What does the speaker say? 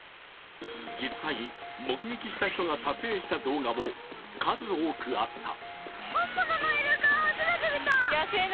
実際、目撃した人が撮影した動画も数多くあった。